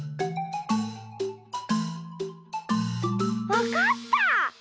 わかった！